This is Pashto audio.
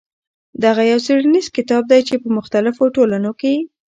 دغه يو څېړنيز کتاب دى چې په مختلفو ټولنو کې.